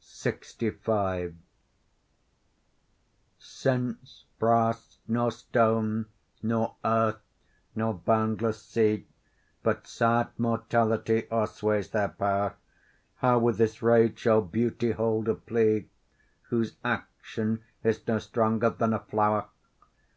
LXV Since brass, nor stone, nor earth, nor boundless sea, But sad mortality o'ersways their power, How with this rage shall beauty hold a plea, Whose action is no stronger than a flower?